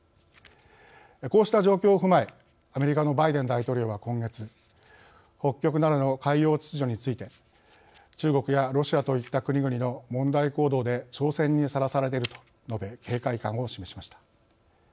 こうした状況を踏まえアメリカのバイデン大統領は今月北極などの海洋秩序について「中国やロシアといった国々の問題行動で挑戦にさらされている」と述べ、警戒感を示しました。